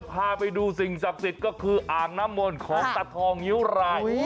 พาไปดูสิ่งศักดิ์สิทธิ์ก็คืออ่างน้ำมนต์ของตาทองงิ้วราย